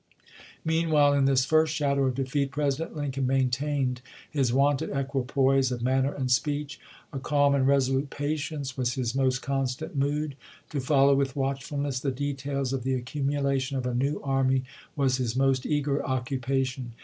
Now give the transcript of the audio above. Meanwhile, in this first shadow of defeat. Presi dent Lincoln maintained his wonted equipoise of manner and speech. A calm and resolute patience was his most constant mood ; to follow with watch fulness the details of the accumulation of a new army was his most eager occupation.